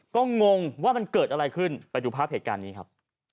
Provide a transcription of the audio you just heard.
ก็งงว่ามันเกิดอะไรขึ้นไปดูภาพเหตุการณ์นี้ครับ